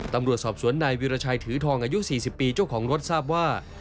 ตำรวจสอบสวนนายวิราชัยถือทองอายุ๔๐ปีเจ้าของรถทราบว่า